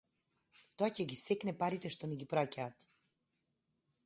Тоа ќе ги секне парите што ни ги праќаат